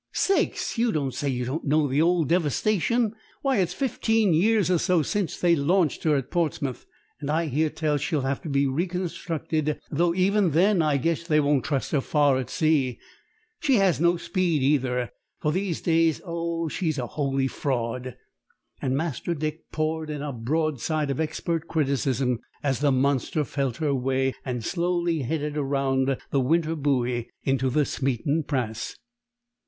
"Sakes! You don't say you don't know the old Devastation? Why, it's fifteen years or so since they launched her at Portsmouth, and I hear tell she'll have to be reconstructed, though even then I guess they won't trust her far at sea. She has no speed, either, for these days. Oh, she's a holy fraud!" And Master Dick poured in a broadside of expert criticism as the monster felt her way and slowly headed around the Winter Buoy into the Smeaton Pass.